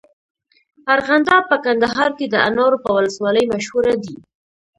ارغنداب په کندهار کي د انارو په ولسوالۍ مشهوره دی.